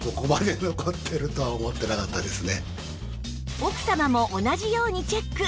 奥様も同じようにチェック。